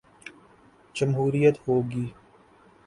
جمہوریت ہو گی۔